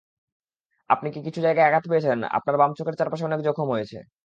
আপনি কিছু জায়গায় আঘাত পেয়েছেন, আপনার বাম চোখের চারপাশে অনেক জখম হয়েছে।